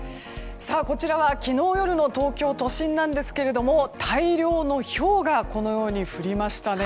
こちらは昨日夜の東京都心なんですけど大量のひょうがこのように降りましたね。